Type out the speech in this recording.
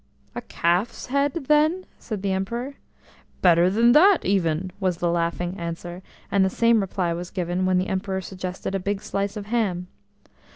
"A calf's head, then?" said the Emperor. "Better than that, even!" was the laughing answer, and the same reply was given when the Emperor suggested a big slice of ham.